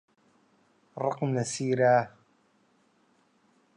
ڕقم لە سیرە.